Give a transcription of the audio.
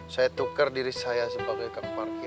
saya tukar diri saya sebagai kekeparkir